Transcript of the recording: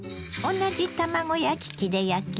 同じ卵焼き器で焼きます。